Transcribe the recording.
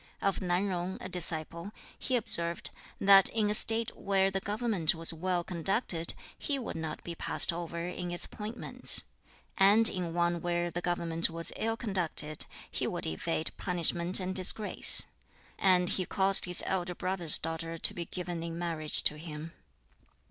Of Nan Yung, a disciple, he observed, that in a State where the government was well conducted he would not be passed over in its appointments, and in one where the government was ill conducted he would evade punishment and disgrace. And he caused his elder brother's daughter to be given in marriage to him.